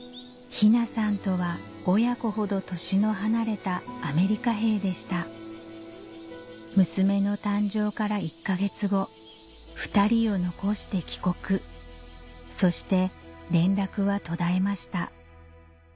雛さんとは親子ほど年の離れたアメリカ兵でした娘の誕生から１か月後２人を残して帰国そして連絡は途絶えました